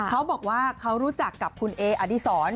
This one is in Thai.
เขาบอกว่าเขารู้จักกับคุณเออดีศร